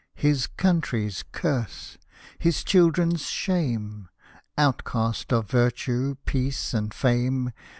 His country's curse, his children's shame, Outcast of virtue, peace, and fame.